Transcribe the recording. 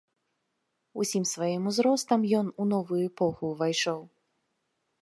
Усім сваім узростам ён у новую эпоху ўвайшоў.